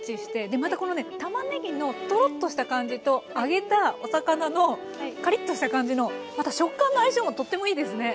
でまたこのねたまねぎのトロッとした感じと揚げたお魚のカリッとした感じのまた食感の相性もとってもいいですね。